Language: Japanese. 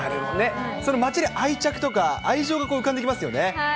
その町で愛着とか、愛情が浮かんできますよね。